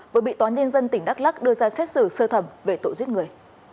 với bị tòa nhân dân tỉnh đắk lắc đưa ra xét xử sơ thẩm về tội giết người